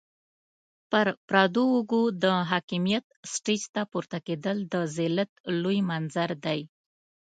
پر پردو اوږو د حاکميت سټېج ته پورته کېدل د ذلت لوی منظر دی.